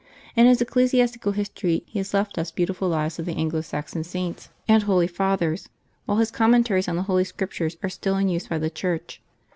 In his Ecclesiastical History he has left us beautiful lives of Anglo Saxon Saints and holy Fathers, while his commentaries on the Holy Scriptures are still in use by the Church.